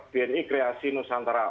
bni kreasi nusantara